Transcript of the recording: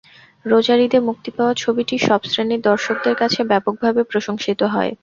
রোজার ঈদে মুক্তি পাওয়া ছবিটি সব শ্রেণির দর্শকদের কাছে ব্যাপকভাবে প্রশংসিত হয়।